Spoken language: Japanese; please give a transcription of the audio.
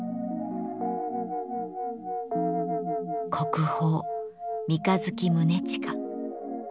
国宝「三日月宗近」。